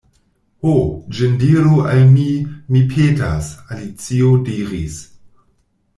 "Ho, ĝin diru al mi, mi petas," Alicio diris.